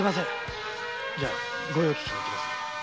じゃ御用聞きに行ってきます。